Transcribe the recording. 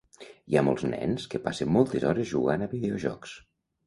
Hi ha molts nens que passen moltes hores jugant a videojocs.